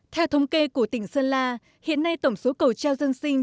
theo thống kê của tỉnh sơn la hiện nay tổng số cầu treo dân sinh